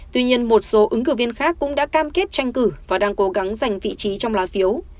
tuy nhiên một số ứng cử viên khác cũng đã cam kết tranh cử và đang cố gắng giành vị trí trong lá phiếu